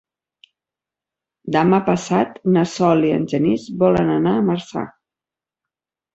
Demà passat na Sol i en Genís volen anar a Marçà.